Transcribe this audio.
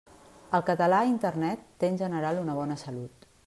El català a Internet té en general una bona salut.